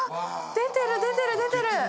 出てる出てる出てる！